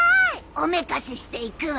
おめかしして行くわ。